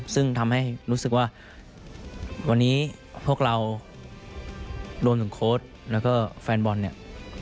ซึ่งทำให้รู้สึกว่าวันนี้พวกเรารวมถึงโค้ดแล้วก็แฟนบอลเนี่ย